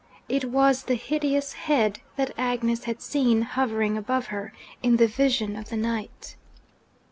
It was the hideous head that Agnes had seen hovering above her, in the vision of the night!